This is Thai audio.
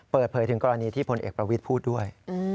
เปิดเผยถึงกรณีที่พลเอกประวิทย์พูดด้วย